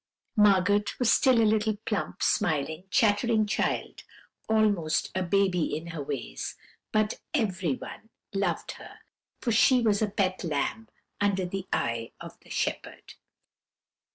"Margot was still a little plump, smiling, chattering, child, almost a baby in her ways; but everyone loved her, for she was as a pet lamb, under the eye of the shepherd.